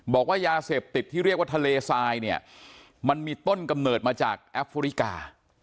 บอกว่ายาเสพติดที่เรียกว่าทะเลทรายเนี่ยมันมีต้นกำเนิดมาจากแอฟริกา